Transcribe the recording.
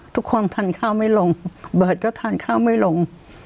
ทุกคนทานข้าวไม่ลงเบิร์ตก็ทานข้าวไม่ลง